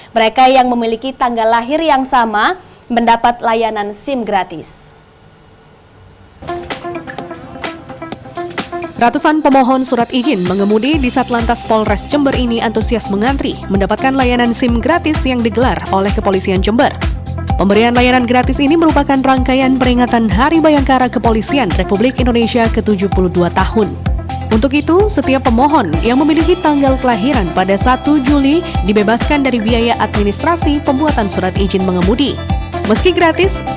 mereka yang memiliki tanggal lahir yang sama mendapat layanan sim gratis